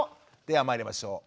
ではまいりましょう。